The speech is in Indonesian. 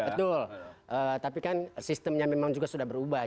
betul tapi kan sistemnya memang juga sudah berubah